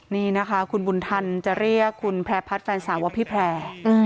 นี่นะคะคุณบุญทันจะเรียกคุณแพร่พัฒน์แฟนสาวว่าพี่แพร่